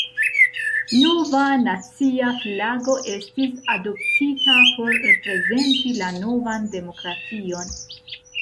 Nova nacia flago estis adoptita por reprezenti la novan demokration.